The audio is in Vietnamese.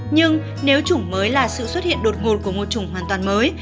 nhưng nếu chủng mới là sự xuất hiện đột ngột của một chủng hoàn toàn mới